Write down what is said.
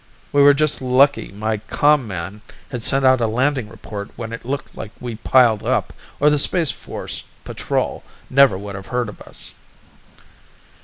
We were just lucky my com man had sent out a landing report when it looked like we piled up, or the Space Force patrol never woulda heard of us."